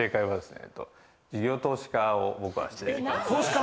事業投資家を僕はしています。